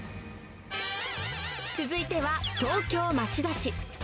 続いては、東京・町田市。